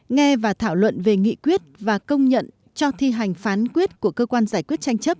nghe và thảo luận về nghị quyết và công nhận cho thi hành phán quyết của cơ quan giải quyết tranh chấp